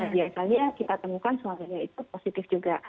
biasanya kita temukan suaminya itu positif juga